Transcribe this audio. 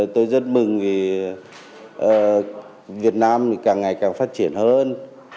tôi rất mừng vì việt nam càng ngày càng phát triển hơn